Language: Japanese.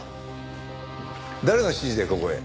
誰の指示でここへ？